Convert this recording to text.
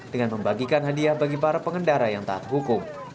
dengan membagikan hadiah bagi para pengendara yang tahap hukum